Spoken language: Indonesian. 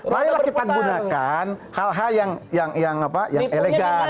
marilah kita gunakan hal hal yang elegan